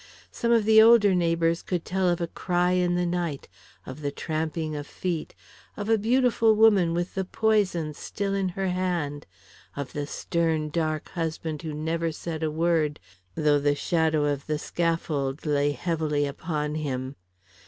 Some of the older neighbours could tell of a cry in the night, of the tramping of feet, of a beautiful woman with the poison still in her hand, of the stern, dark husband who said never a word, though the shadow of the scaffold lay heavily upon him.